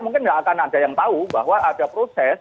mungkin nggak akan ada yang tahu bahwa ada proses